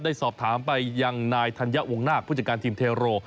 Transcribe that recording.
ได้สอบถามไปยังนายธัญวงนาคผู้จัดการทีมเทโร